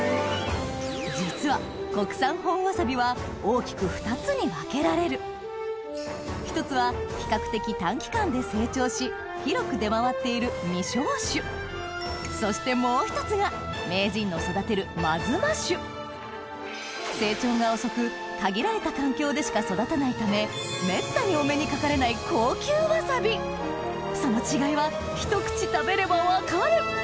実は国産に分けられる一つは比較的短期間で成長し広く出回っているそしてもう一つが名人の育てる成長が遅く限られた環境でしか育たないためめったにお目にかかれないその違いは一口食べれば分かる！